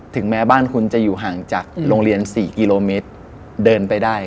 ถึงแม้บ้านคุณจะอยู่ห่างจากโรงเรียน๔กิโลเมตรเดินไปได้